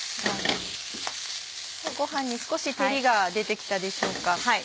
ごはんに少し照りが出て来たでしょうか？